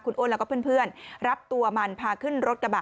คุณอ้นแล้วก็เพื่อนรับตัวมันพาขึ้นรถกระบะ